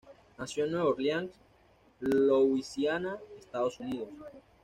Nació en Nueva Orleans, Louisiana, Estados Unidos.